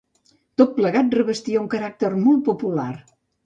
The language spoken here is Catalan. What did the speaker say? Tot plegat revestia un caràcter molt popular.